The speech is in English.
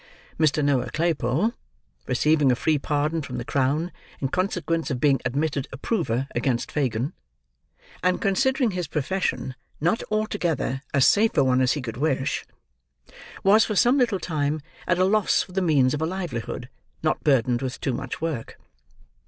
Mr. Noah Claypole: receiving a free pardon from the Crown in consequence of being admitted approver against Fagin: and considering his profession not altogether as safe a one as he could wish: was, for some little time, at a loss for the means of a livelihood, not burdened with too much work.